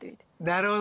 なるほど！